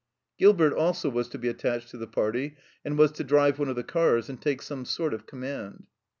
Gilbert also was to be attached to the party, and was to drive one of the cars and take some sort ot command.